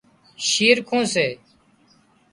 شِرکُون سي